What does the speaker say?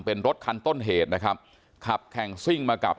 เป็นรถคันต้นเหตุนะครับขับแข่งซิ่งมากับ